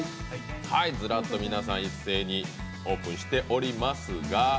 ずらっと皆さん、一斉にオープンしております。